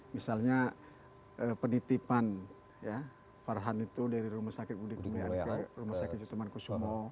misalnya penitipan farhan itu dari rumah sakit budi kemuliaan ke rumah sakit cipto maung kusumo